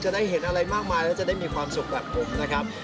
ได้เห็นอะไรมากมายแล้วจะได้มีความสุขแบบผมนะครับ